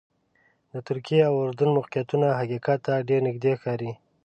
د ترکیې او اردن موقعیتونه حقیقت ته ډېر نږدې ښکاري.